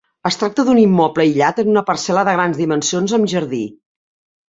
Es tracta d'un immoble aïllat en una parcel·la de grans dimensions amb jardí.